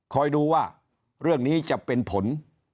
คอยดูว่าเรื่องนี้จะเป็นผล